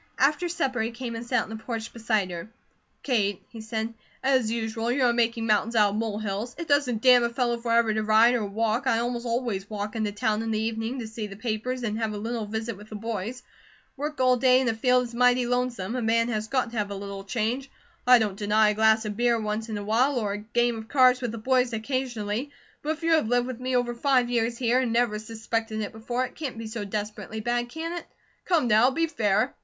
After supper he came and sat on the porch beside her. "Kate," he said, "as usual you are 'making mountains out of mole hills.' It doesn't damn a fellow forever to ride or walk, I almost always walk, into town in the evening, to see the papers and have a little visit with the boys. Work all day in a field is mighty lonesome; a man has got the have a little change. I don't deny a glass of beer once in awhile, or a game of cards with the boys occasionally; but if you have lived with me over five years here, and never suspected it before, it can't be so desperately bad, can it? Come now, be fair!"